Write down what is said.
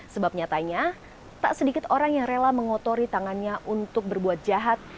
sebab nyatanya tak sedikit orang yang rela mengotori tangannya untuk berbuat jahat